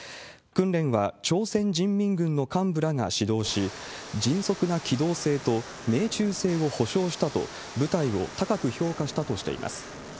訓練は朝鮮人民軍の幹部らが指導し、迅速な機動性と命中性を保障したと、部隊を高く評価したとしています。